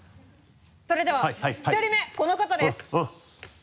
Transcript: それでは１人目この方です。